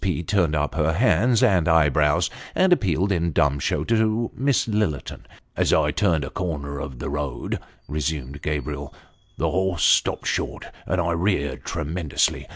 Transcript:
P. turned up her hands and eye brows, and appealed in dumb show to Miss Lillerton. " As I turned a corner of the road," resumed Gabriel, " the horse stopped short, and reared tremendously.